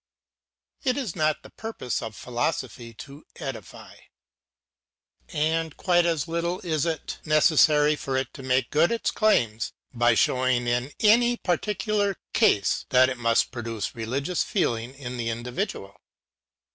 It is not the purpose of philosophy to edify. and quite as little is it necessary for it to make good its claims by showing in any particular case that it must produce religious feeling in the individual.